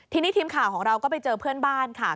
ทีนี้ทีมข่าวของเราก็ไปเจอเพื่อนบ้านค่ะ